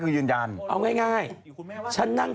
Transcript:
ของคุณฟ้ากับซำติง